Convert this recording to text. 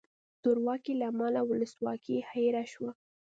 زورواکۍ له امله ولسواکي هیره شوه.